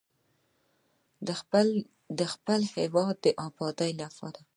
د خپل هیواد د ابادۍ لپاره.